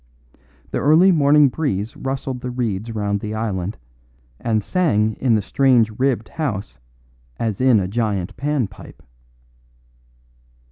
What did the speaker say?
The early morning breeze rustled the reeds round the island and sang in the strange ribbed house as in a giant pan pipe.